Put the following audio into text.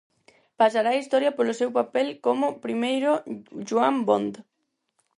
Pasará á historia polo seu papel como o primeiro Juan Bond.